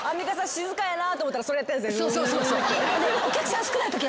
静かやなぁと思ったらそれやってんですねグーって。